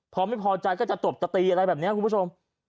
พอไม่พอใจก็จะตบจะตีอะไรแบบนี้คุณผู้ชม